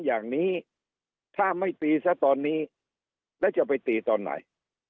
อย่างนี้ถ้าไม่ตีซะตอนนี้แล้วจะไปตีตอนไหน